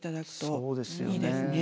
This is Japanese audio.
そうですよね。